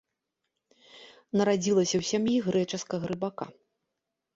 Нарадзілася ў сям'і грэчаскага рыбака.